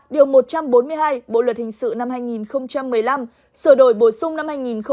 điều một trăm bốn mươi hai bộ luật hình sự năm hai nghìn một mươi năm sửa đổi bổ sung năm hai nghìn một mươi bảy